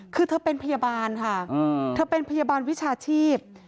คือเธอเป็นพยาบาลค่ะเธอเป็นพยาบาลวิชาชีพ